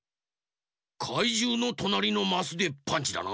かいじゅうのとなりのマスでパンチだな。